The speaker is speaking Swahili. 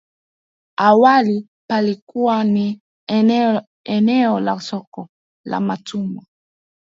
Awali palikuwa ni eneo la soko la watumwa